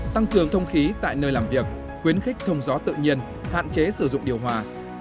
tăng cường thông khí tại nơi làm việc khuyến khích thông gió tự nhiên hạn chế sử dụng điều hòa